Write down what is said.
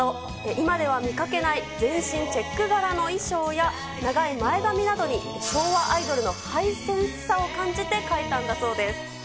今では見かけない全身チェック柄の衣装や、長い前髪などに昭和アイドルのハイセンスさを感じて描いたんだそうです。